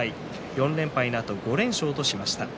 ４連敗のあと５連勝としました。